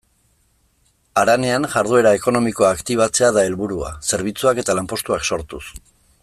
Haranean jarduera ekonomikoa aktibatzea da helburua, zerbitzuak eta lanpostuak sortuz.